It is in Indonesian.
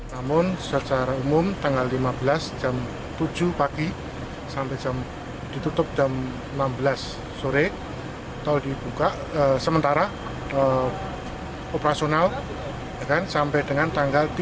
namun secara umum tanggal lima belas jam tujuh pagi sampai jam ditutup jam enam belas sore tol dibuka sementara operasional sampai dengan tanggal tiga puluh